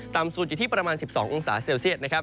ต่ำสุดอยู่ที่ประมาณ๑๒องศาเซลเซียตนะครับ